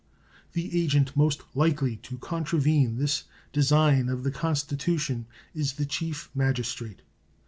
The agent most likely to contravene this design of the Constitution is the Chief Magistrate.